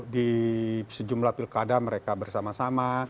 di sejumlah pilkada mereka bersama sama